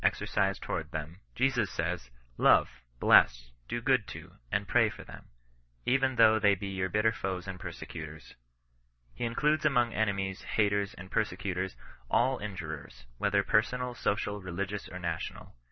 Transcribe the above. S3 exercised to^vards them, Jesus says, love, bles^, do s'ood to, and pray for them, even though they be your bitter foes and persecutors. Ho includes among enemies, haters and persecutors, all injurers, whether personal, social, religious, or national.